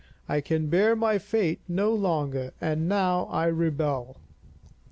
I can bear my fate no longer, and now I rebel.